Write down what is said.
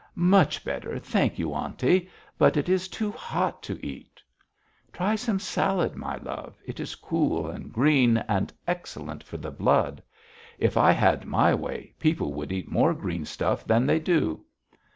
'Much better, thank you, aunty, but it is too hot to eat.' 'Try some salad, my love; it is cool and green, and excellent for the blood. If I had my way, people should eat more green stuff than they do.'